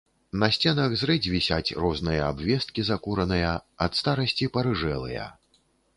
На сценах зрэдзь вісяць розныя абвесткі закураныя, ад старасці парыжэлыя.